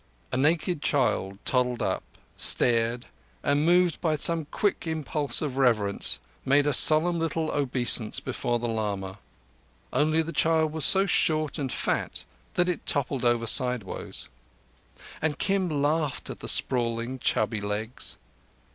A naked child toddled up, stared, and, moved by some quick impulse of reverence, made a solemn little obeisance before the lama—only the child was so short and fat that it toppled over sideways, and Kim laughed at the sprawling, chubby legs.